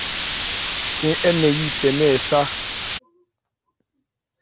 Khɛ́n ɛ́ nɛn yí tɛmɛ ɛ sá.